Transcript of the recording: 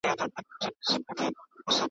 ډنبار په شپاړس کلني کي .